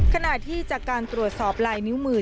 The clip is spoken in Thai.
ขณะที่จากการตรวจสอบลายนิ้วมือ